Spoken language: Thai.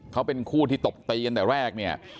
เขาเป็นคู่ที่ตบตีกันแต่แรกเนี่ย